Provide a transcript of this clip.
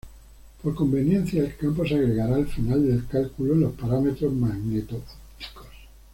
Por conveniencia, el campo se agregará al final del cálculo en los parámetros magneto-ópticos.